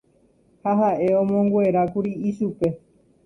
Ha ha'e omonguerákuri ichupe.